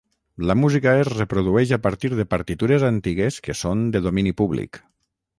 La música es reprodueix a partir de partitures antigues que són de domini públic.